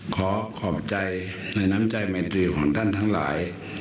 ขอขอบใจในน้ำใจไมตรีของท่านทั้งหลาย